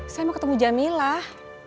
saya mau ketemu jamilah